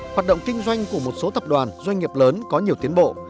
hoạt động kinh doanh của một số tập đoàn doanh nghiệp lớn có nhiều tiến bộ